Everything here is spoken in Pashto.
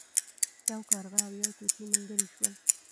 یو کارغه او یو طوطي ملګري شول.